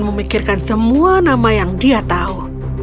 memikirkan semua nama yang dia tahu